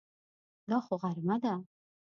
دا خو غرمه ده!